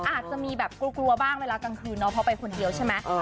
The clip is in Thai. อาจจะมีแบบกลัวบ้างเวลากลางคืนเนาะเพราะไปคนเดียวใช่ไหม